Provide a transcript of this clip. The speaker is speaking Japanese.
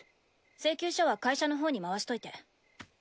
請求書は会社の方に回しといて。